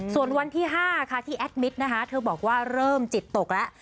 ส่วนวันที่๕ค่ะที่แอดมิตรนะคะเธอบอกว่าเริ่มจิตตกแล้ว